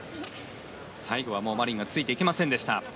最後はマリンがついていけませんでした。